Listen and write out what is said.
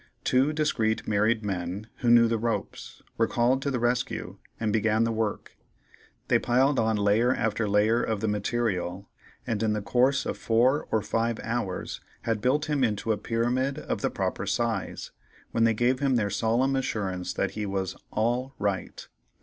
Two discreet married men, who knew the ropes, were called to the rescue, and began the work; they piled on layer after layer of the material, and in the course of four or five hours had built him into a pyramid of the proper size, when they gave him their solemn assurance that he was "all right."